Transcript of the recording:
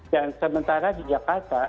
dan sementara di jakarta